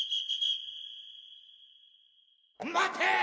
待て！